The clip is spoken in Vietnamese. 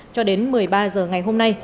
cho đến một mươi ba h ngày hôm nay